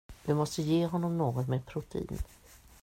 Du måste ge honom något med protein.